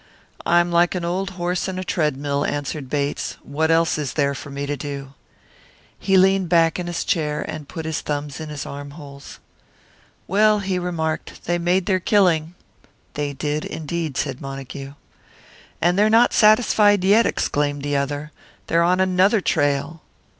"I'm like an old horse in a tread mill," answered Bates. "What else is there for me to do?" He leaned back in his chair, and put his thumbs in his armholes. "Well," he remarked, "they made their killing." "They did, indeed," said Montague. "And they're not satisfied yet," exclaimed the other. "They're on another trail!"